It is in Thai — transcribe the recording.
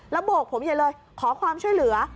แล้วโบกผมเลยขอความช่วยเหลือ